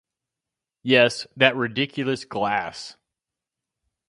Yes, that ridiculous glass.